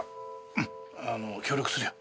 うん協力するよ。